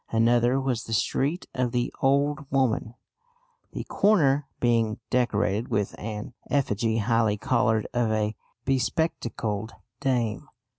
Another was the street of the "old woman," the corner being decorated with an effigy, highly coloured, of a bespectacled dame.